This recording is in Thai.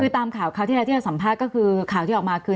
คือตามข่าวที่เราสัมภาษณ์ก็คือข่าวที่ออกมาคือ